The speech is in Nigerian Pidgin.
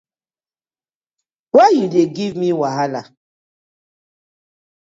Why you dey give me wahala?